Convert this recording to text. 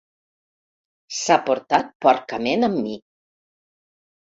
S'ha portat porcament amb mi.